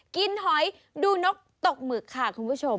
หอยดูนกตกหมึกค่ะคุณผู้ชม